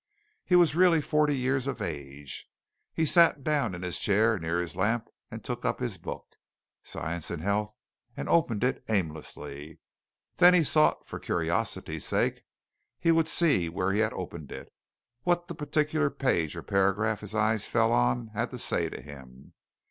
He was really forty years of age. He sat down in his chair near his lamp and took up his book, "Science and Health," and opened it aimlessly. Then he thought for curiosity's sake he would see where he had opened it what the particular page or paragraph his eye fell on had to say to him.